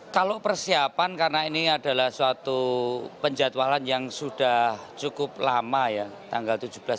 kalau persiapan karena ini adalah suatu penjatualan yang sudah cukup lama ya